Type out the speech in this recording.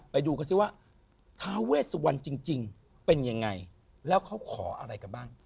ไปดูกันซิว่าท้าเวสวันจริงเป็นยังไงแล้วเขาขออะไรกันบ้าง